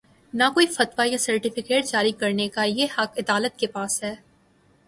نہ کوئی فتوی یا سرٹیفکیٹ جاری کر نے کا یہ حق عدالت کے پاس ہے۔